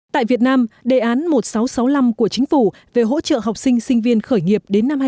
tại việt nam đề án một nghìn sáu trăm sáu mươi năm của chính phủ về hỗ trợ học sinh sinh viên khởi nghiệp đến năm hai nghìn hai mươi